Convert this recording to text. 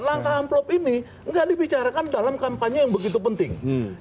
langkah amplop ini nggak dibicarakan dalam kampanye yang begitu penting